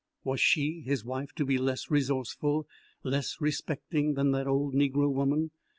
Was she, his wife, to be less resourceful, less self respecting than that old Negro woman?